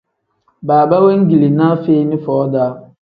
Baaba wengilinaa feeni foo-daa.